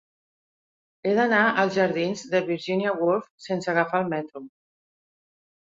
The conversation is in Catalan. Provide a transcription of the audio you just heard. He d'anar als jardins de Virginia Woolf sense agafar el metro.